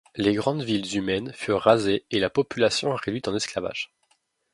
Les grandes villes humaines furent rasées et la population réduite en esclavage.